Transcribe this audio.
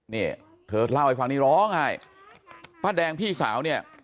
นี่เธอเล่าให้ฟังนี่ร้องไห้ป้าแดงพี่สาวเนี่ย